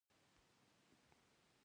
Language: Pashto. تاریخ د ظالم او مظلوم تر منځ توپير کوي.